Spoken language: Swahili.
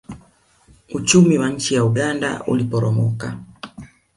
uchumi wa nchi ya uganda uliporomoka